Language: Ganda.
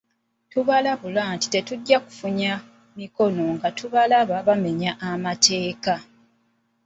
Tubalabula nti tetujja kufunya mikono nga tubalaba bamenya amateeka.